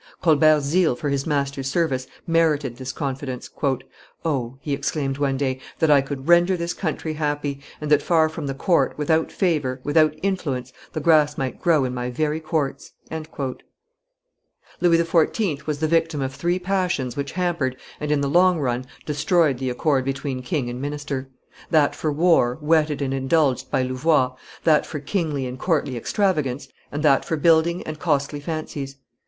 Colbert's zeal for his master's service merited this confidence. "O," he exclaimed one day, "that I could render this country happy, and that, far from the court, without favor, without influence, the grass might grow in my very courts!" [Illustration: Marly 525] Louis XIV. was the victim of three passions which hampered and in the long run destroyed the accord between king and minister: that for war, whetted and indulged by Louvois; that for kingly and courtly extravagance; and that for building and costly fancies.